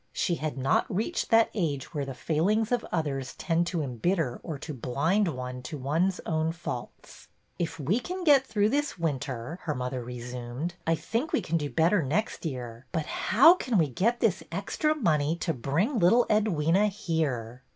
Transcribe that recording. She had not reached that age where the failings of others tend to embitter or to blind one to one's own faults. If we can get through this winter," her mother resumed, I think we can do better next year. But how can we get this extra money to bring little Edwyna here?"